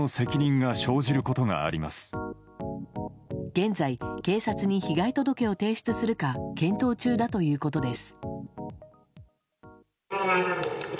現在、警察に被害届を提出するか検討中だということです。